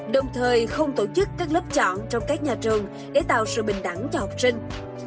đồng thời không tổ chức các lớp chọn trong các nhà trường để tạo sự bình đẳng cho học sinh